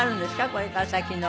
これから先の。